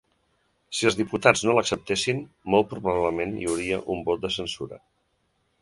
Si els diputats no l’acceptessin, molt probablement hi hauria un vot de censura.